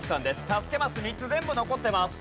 助けマス３つ全部残ってます。